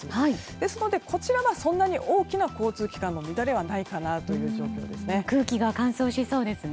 ですので、こちらはそんなに大きな交通機関の乱れはないかなという状況ですね。